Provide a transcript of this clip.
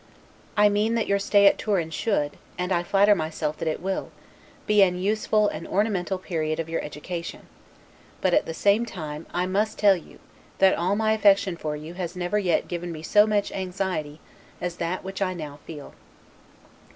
I mean that your stay at Turin should, and I flatter myself that it will, be an useful and ornamental period of your education; but at the same time I must tell you, that all my affection for you has never yet given me so much anxiety, as that which I now feel.